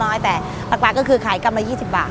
ดังนั้นอากาศกร้ายเป็นกลายอการขายกำไร๒๐บาท